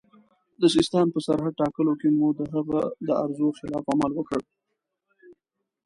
د سیستان په سرحد ټاکلو کې مو د هغه د ارزو خلاف عمل وکړ.